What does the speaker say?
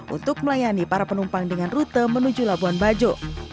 untuk melayani para penumpang dengan rute menuju labuan bajo